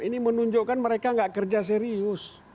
ini menunjukkan mereka tidak kerja serius